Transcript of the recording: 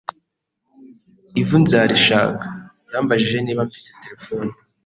ivu nzarishaka. Yambajije niba mfite telephone ,